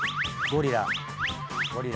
ゴリラが。